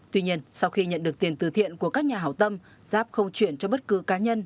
tuy nhiên sau khi nhận được tiền từ thiện của các nhà hảo tâm giáp không chuyển cho bất cứ cá nhân